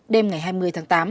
đêm ngày hai mươi tháng tám